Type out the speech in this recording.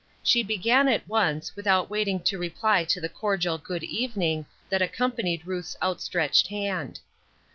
She began at once, without waiting to reply to the cordial " Good evening !" that accom panied Ruth's outstretched hand.